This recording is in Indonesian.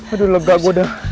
aduh lega gue udah